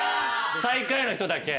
最下位の人だけ。